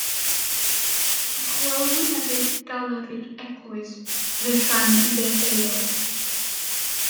Dymchwelwyd hefyd galeri'r eglwys yn y rhan ddeheuol.